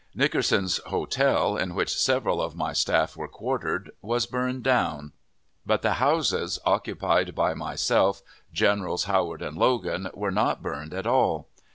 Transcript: Nickerson's Hotel, in which several of my staff were quartered, was burned down, but the houses occupied by myself, Generals Howard and Logan, were not burned at all.